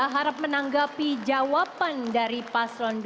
harap menanggapi jawaban dari paslon dua